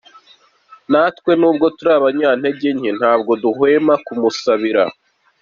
Natwe nubwo turi abanyantege nke ntabwo duhwema kumusabira.